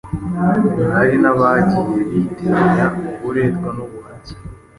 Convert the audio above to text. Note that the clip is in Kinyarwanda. Hari n'abagiye bitiranya uburetwa n'ubuhake